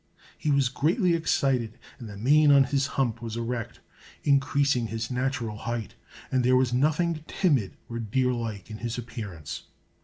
He was greatly excited and the mane on his hump was erect, increasing his natural height, and there was nothing timid or deer like in his appearance.